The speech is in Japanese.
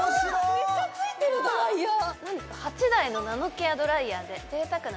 めっちゃついてるドライヤー！